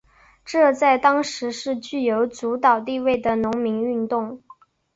这在当时是具有主导地位的农民运动。